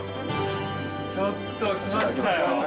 ちょっときましたよ。